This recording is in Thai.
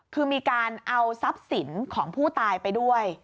คือมีการเอาทรัพย์สินของผู้ตายไปด้วย